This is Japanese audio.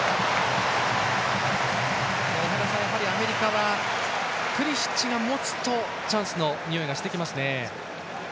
井原さん、やはりアメリカはプリシッチが持つとチャンスのにおいがしてきますね。